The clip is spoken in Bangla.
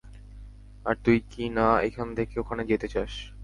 আর তুই কি-না এখান থেকে ওখানে যেতে চাস।